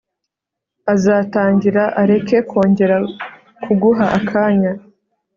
azatangira areke kongera kuguha akanya